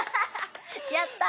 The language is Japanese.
やったぁ！